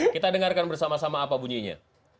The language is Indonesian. kita dengarkan bersama sama apa bunyinya